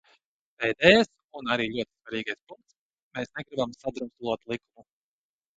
Pēdējais un arī ļoti svarīgais punkts: mēs negribam sadrumstalot likumu.